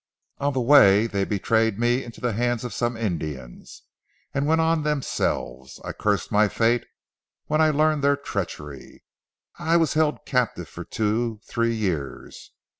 On the way they betrayed me into the hands of some Indians, and went on themselves. I cursed my fate when I learned their treachery. I was held captive for two, three years.